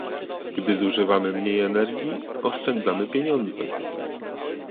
Gdy zużywamy mniej energii, oszczędzamy pieniądze